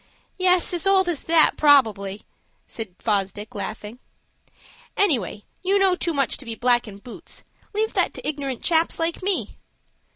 "Yes; as old as that, probably," said Fosdick, laughing. "Anyway, you know too much to be blackin' boots. Leave that to ignorant chaps like me."